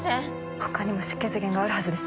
他にも出血源があるはずです